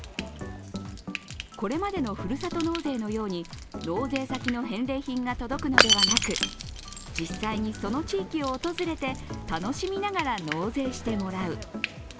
これまでのふるさと納税のように納税先の返礼品が届くのではなく実際にその地域を訪れて楽しみながら納税してもらう。